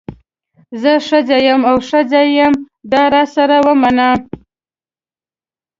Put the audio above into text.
زه ښځه یم او ښځه یم دا راسره ومنه.